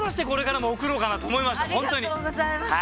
ありがとうございます